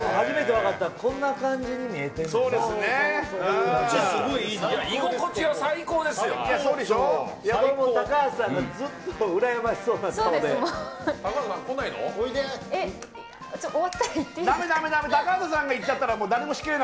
でも初めて分かった、こんな感じに見えてんねんな。